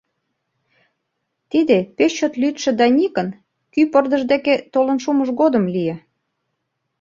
Тиде пеш чот лӱдшӧ Даникын кӱ пырдыж деке толын шумыж годым лие.